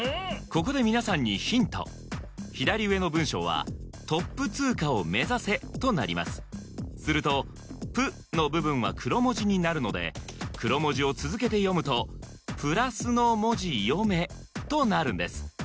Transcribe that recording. ここで皆さんにヒント左上の文章は「トップ通過を目指せ。」となりますすると「プ」の部分は黒文字になるので黒文字を続けて読むと「プラスノモジヨメ」となるんです